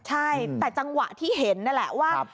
ใช่แต่จังหวะที่เห็นนั่นแหละว่า